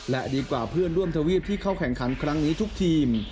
และดีกว่าเพื่อนร่วมทวีปที่เข้าแข่งขันครั้งนี้ทุกทีม